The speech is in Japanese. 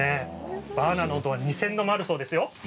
バーナーの温度は２０００度あるそうです。